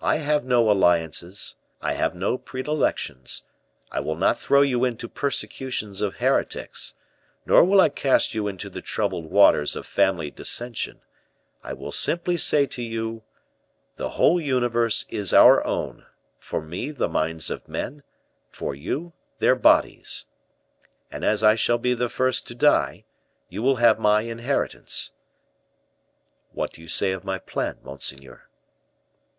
I have no alliances, I have no predilections; I will not throw you into persecutions of heretics, nor will I cast you into the troubled waters of family dissension; I will simply say to you: The whole universe is our own; for me the minds of men, for you their bodies. And as I shall be the first to die, you will have my inheritance. What do you say of my plan, monseigneur?"